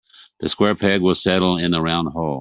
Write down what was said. The square peg will settle in the round hole.